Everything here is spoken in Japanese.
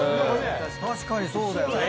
確かにそうだよね。